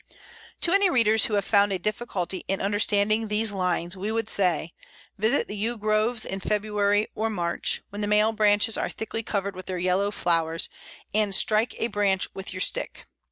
To any readers who have found a difficulty in understanding these lines, we would say: visit the Yew groves in February or March, when the male branches are thickly covered with their yellow flowers, and strike a branch with your stick.